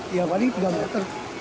iya tadi tiga meter